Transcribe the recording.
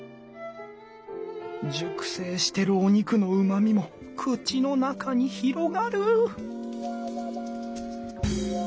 熟成してるお肉のうまみも口の中に広がる！